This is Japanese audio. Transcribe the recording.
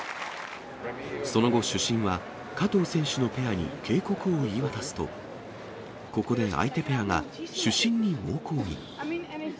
その後、主審は加藤選手のペアに警告を言い渡すと、ここで相手ペアが主審に猛抗議。